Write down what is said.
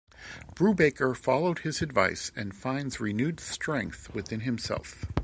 Brubaker follows his advice and finds renewed strength within himself.